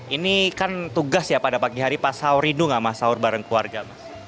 ini kan tugas ya pada pagi hari pas sahur rindu gak mas sahur bareng keluarga mas